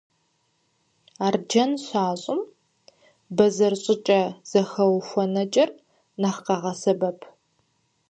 Арджэн щащӏым, бэзэр щӏыкӏэ зэхэухуэнэкӏэр нэхъ къагъэсэбэп.